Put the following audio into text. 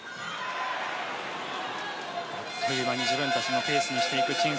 あっという間に自分たちのペースにしていくチン・